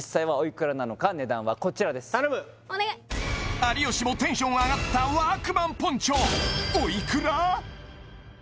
有吉もテンション上がったワークマンポンチョおいくら？